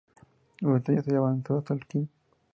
Durante ese año se avanzó hasta el km.